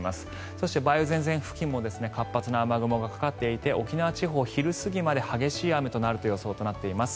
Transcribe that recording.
そして、梅雨前線付近も活発な雨雲がかかっていて沖縄地方、昼過ぎまで激しい雨となる予想となっています。